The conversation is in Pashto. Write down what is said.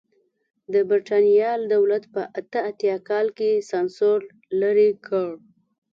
د برېټانیا دولت په اته اتیا کال کې سانسور لرې کړ.